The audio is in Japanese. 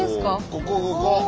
ここここ。